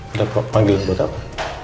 ada panggilan buat apa